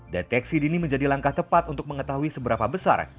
deteksi dini menjadi langkah tepat untuk mengetahui seberapa besar